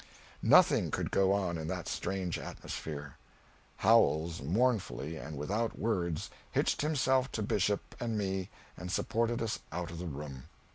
Nothing could go on in that strange atmosphere. Howells mournfully, and without words, hitched himself to Bishop and me and supported us out of the room.